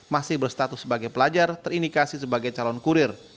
masih berstatus sebagai pelajar terindikasi sebagai calon kurir